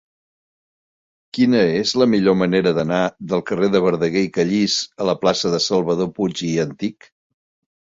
Quina és la millor manera d'anar del carrer de Verdaguer i Callís a la plaça de Salvador Puig i Antich?